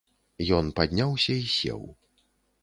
Ён падняўся і сеў.